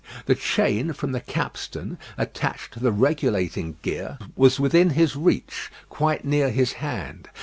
The chain from the capstan, attached to the regulating gear, was within his reach, quite near his hand.